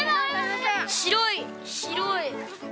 白い白い。